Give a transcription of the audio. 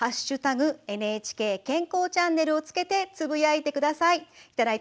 「＃ＮＨＫ健康チャンネル」をつけて、つぶやいてください。